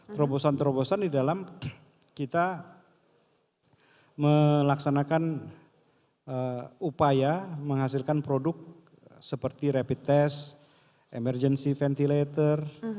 terobosan terobosan di dalam kita melaksanakan upaya menghasilkan produk seperti rapid test emergency ventilator